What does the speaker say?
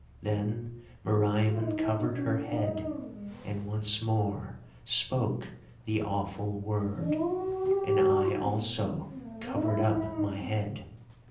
"Then Meriamun covered her head and once more spoke the awful Word, and I also covered up my head.